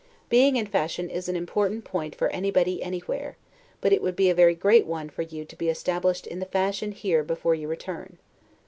Being in fashion is an important point for anybody anywhere; but it would be a very great one for you to be established in the fashion here before you return.